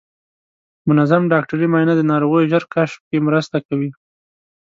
منظم ډاکټري معاینه د ناروغیو ژر کشف کې مرسته کوي.